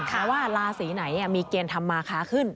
แต่ว่าราศีไหนมีเกณฑ์ทำมาค้าขึ้น